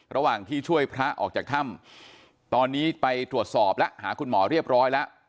ระหว่างที่ช่วยพระออกจากถ้ำตอนนี้ไปตรวจสอบแล้วหาคุณหมอเรียบร้อยแล้ว